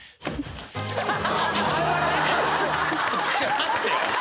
待ってよ。